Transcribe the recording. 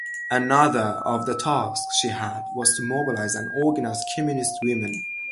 Another of the tasks she had was to mobilize and organize communist women.